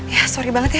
ya sorry banget ya